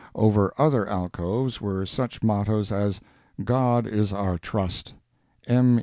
Over other alcoves were such mottoes as "God is Our Trust;" "M.